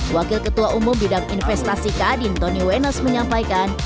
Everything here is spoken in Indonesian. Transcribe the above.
wakil ketua umum bidang investasi kadin tony wenas menyampaikan